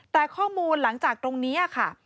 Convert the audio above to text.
แต่ข้อมูลหลังจากตรงนี้ค่ะ